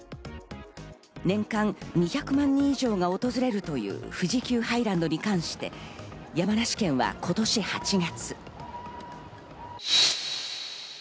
年間２００万人以上が訪れるという富士急ハイランドに関して、山梨県は今年８月。